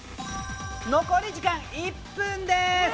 残り時間１分です！